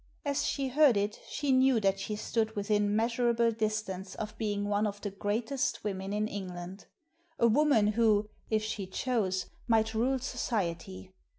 As she heard it she knew that she stood within measurable distance of being one of the greatest women in England — a woman who, if she chose, might rule society.